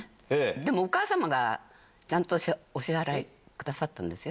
でも、お母様が、ちゃんとお支払いくださったんですよ。